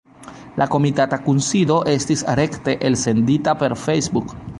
La komitata kunsido estis rekte elsendita per Facebook.